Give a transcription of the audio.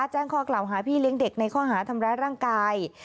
แจ้งข้อกล่าวหาพี่เลี้ยงเด็กในข้อหาทำร้ายร่างกาย